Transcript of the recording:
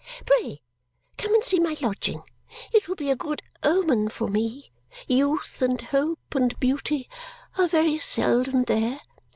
Pray come and see my lodging. It will be a good omen for me. Youth, and hope, and beauty are very seldom there.